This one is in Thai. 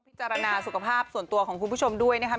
จารณสุขภาพส่วนตัวของคุณผู้ชมด้วยนะครับ